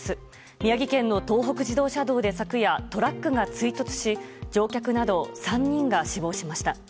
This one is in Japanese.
宮城県の東北自動車道で昨夜トラックが追突し乗客など３人が死亡しました。